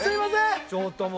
ちょっともう。